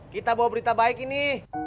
kita bawa berita baik ini